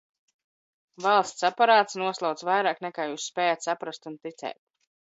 Valsts aparāts noslauc vairāk, nekā jūs spējat saprast un ticēt!